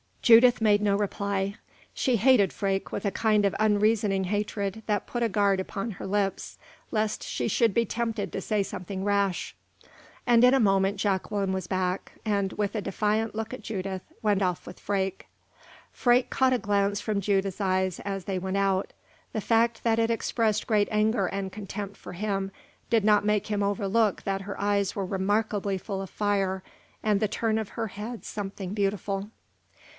Judith made no reply. She hated Freke with a kind of unreasoning hatred that put a guard upon her lips, lest she should be tempted to say something rash. And in a moment Jacqueline was back, and, with a defiant look at Judith, went off with Freke. Freke caught a glance from Judith's eyes as they went out. The fact that it expressed great anger and contempt for him did not make him overlook that her eyes were remarkably full of fire and the turn of her head something beautiful.